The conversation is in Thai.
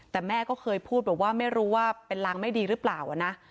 แต่แม่ก็เคยพูดบอกว่าไม่รู้ว่าเป็นรังไม่ดีหรือเปล่านะ